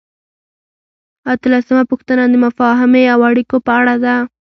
اتلسمه پوښتنه د مفاهمې او اړیکو په اړه ده.